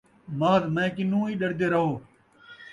محض میں کنُوں ای ݙردے رَہو ۔